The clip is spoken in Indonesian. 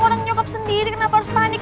orang nyokop sendiri kenapa harus panik